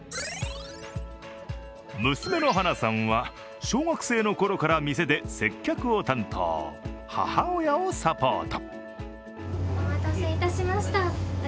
娘の晴名さんは小学生のころから店で接客を担当、母親をサポート。